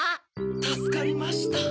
たすかりました。